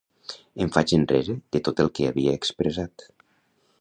Em faig enrere de tot el que havia expressat.